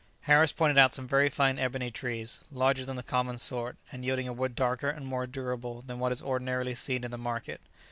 Harris pointed out some very fine ebony trees, larger than the common sort, and yielding a wood darker and more durable than what is ordinarily seen in the market.